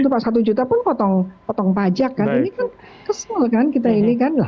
lepas satu juta pun potong pajak ini kan kesel kan kita ini